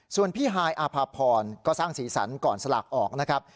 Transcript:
ส่วนพี่ฮายอภพรก็สร้างศีรษรรรค์ก่อนสลากออกนะครับ